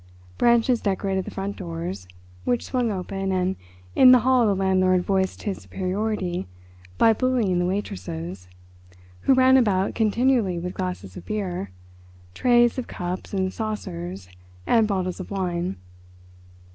Branches decorated the front doors, which swung open, and in the hall the landlord voiced his superiority by bullying the waitresses, who ran about continually with glasses of beer, trays of cups and saucers, and bottles of wine.